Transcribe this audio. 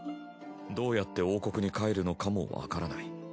どうやって王国に帰るのかもわからない。